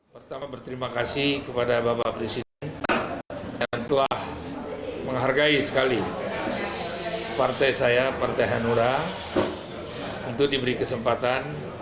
pertama berterima kasih kepada bapak presiden dan telah menghargai sekali partai saya partai hanura untuk diberi kesempatan